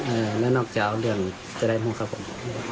เออแล้วนอกจะเอาเรืองจะได้พูดครับผม